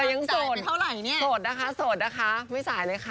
แต่ยังโสดโสดนะคะไม่สายเลยค่ะ